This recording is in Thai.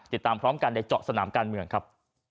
ติดตามพร้อมกันในเจาะสนามการเมืองครับ